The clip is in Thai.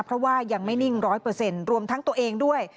เพราะว่ายังไม่นิ่ง๑๐๐รวมทั้งตัวเองด้วย